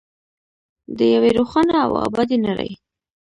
د یوې روښانه او ابادې نړۍ.